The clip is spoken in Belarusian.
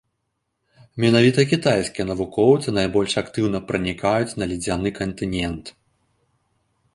Менавіта кітайскія навукоўцы найбольш актыўна пранікаюць на ледзяны кантынент.